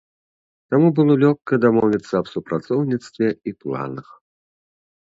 Таму было лёгка дамовіцца аб супрацоўніцтве і планах.